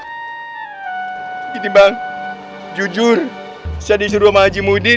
gini bang jujur saya disuruh sama haji muhyiddin